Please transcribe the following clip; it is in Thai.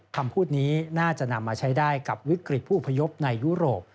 คำพูดนี้น่าจะนำมาใช้ได้กับวิกฤตผู้อพยพในยุโรป